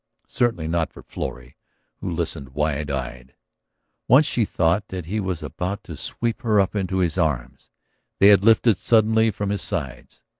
Certainly not for Florrie, who listened wide eyed. ... Once she thought that he was about to sweep her up into his arms; they had lifted suddenly from his sides.